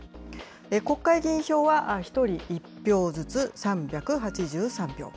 国会議員票は１人１票ずつ３８３票。